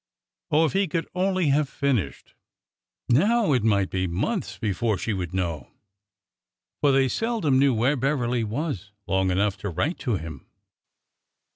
Oh, if he could only have finished! Now, it might be months before she would know, — for they sel dom knew where Beverly was long enough to write to him.